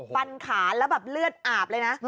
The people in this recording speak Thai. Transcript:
ฟันขาแล้วแบบเลือดอาบเลยนะ